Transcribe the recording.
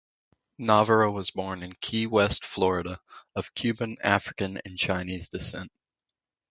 Navarro was born in Key West, Florida, of Cuban, African, and Chinese descent.